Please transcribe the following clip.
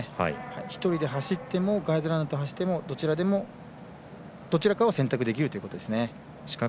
１人で走ってもガイドランナーと走ってもどちらかを選択できるということですね。